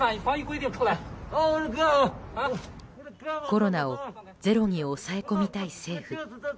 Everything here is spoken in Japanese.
コロナをゼロに抑え込みたい政府。